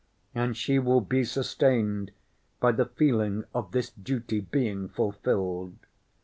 And she will be sustained by the feeling of this duty being fulfilled.